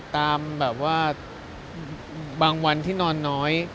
ตามแบบว่าบางวันที่นอนน้อย